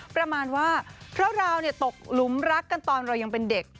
ประมาณว่าเพราะเราตกหลุมรักกันตอนเรายังเป็นเด็ก